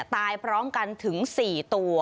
ตายพร้อมกันถึง๔ตัว